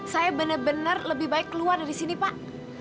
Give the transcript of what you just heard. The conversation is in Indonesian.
saya benar benar lebih baik keluar dari sini pak